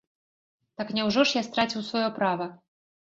Так няўжо ж я страціў сваё права?